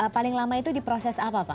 paling lama itu di proses apa pak